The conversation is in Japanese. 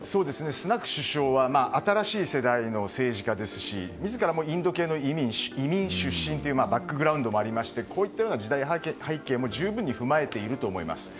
そうですね、スナク首相は新しい世代の政治家ですし自らもインド系の移民出身というバックグラウンドもあってこういう時代背景も十分踏まえていると思います。